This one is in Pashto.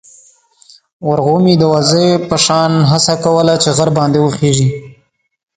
ورغومي د وزې په شان هڅه کوله چې غر باندې وخېژي.